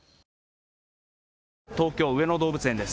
東京、上野動物園です。